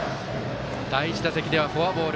第１打席ではフォアボール。